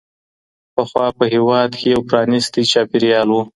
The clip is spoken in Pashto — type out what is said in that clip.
پخوا په هېواد کي یو پرانیستی چاپېریال و.